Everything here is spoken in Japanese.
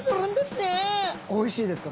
おいしいですか？